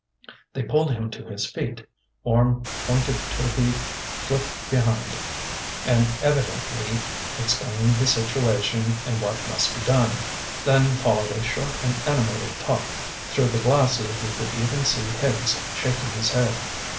They pulled him to his feet, Orme pointing to the cliff behind, and evidently explaining the situation and what must be done. Then followed a short and animated talk. Through the glasses we could even see Higgs shaking his head.